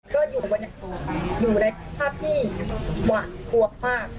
ก็อยู่ในภาพที่หว่างตัวภาพ